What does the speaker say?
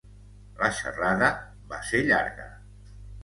La xerrada va ser llarga.